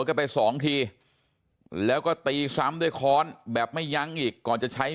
กันไปสองทีแล้วก็ตีซ้ำด้วยค้อนแบบไม่ยั้งอีกก่อนจะใช้